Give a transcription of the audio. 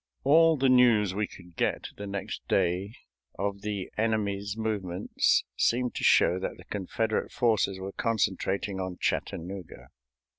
All the news we could get the next day of the enemy's movements seemed to show that the Confederate forces were concentrating on Chattanooga.